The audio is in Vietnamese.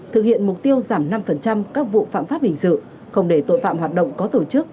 thực hiện mục tiêu giảm năm các vụ phạm pháp hình sự không để tội phạm hoạt động có tổ chức